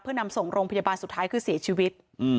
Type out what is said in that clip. เพื่อนำส่งโรงพยาบาลสุดท้ายคือเสียชีวิต